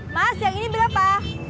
mas yang ini berapa